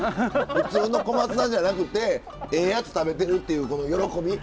普通の小松菜じゃなくてええやつ食べてるっていうこの喜び。